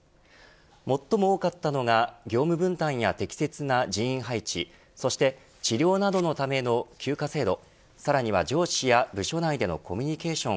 最も多かったのが業務分担や適切な人員配置そして治療などのための休暇制度さらには上司や部署内でのコミュニケーション